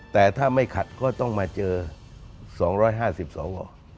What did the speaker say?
แต่ถ้าไม่ขัดก็ต้องมาเจอ๒๕๐สว